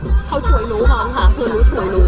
เขาช่วยหนูครับค่ะเพื่อนหนูช่วยหนู